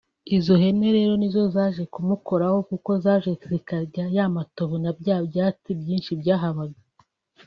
Izo hene rero ni zo zaje kumukoraho kuko zaje zikarya ya matovu na bya byatsi byinshi byahabaga